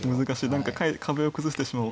何か壁を崩してしまう。